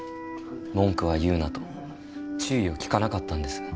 文句は言うな」と注意を聞かなかったんです